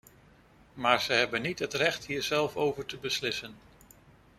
Maar zij hebben niet het recht hier zelf over te beslissen.